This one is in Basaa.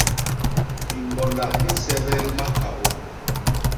Hiñgonda hi nsebel makabô.